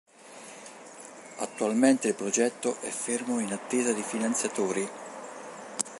Attualmente il progetto è fermo in attesa di finanziatori.